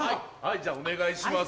じゃあお願いします。